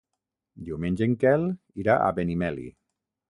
Diumenge en Quel irà a Benimeli.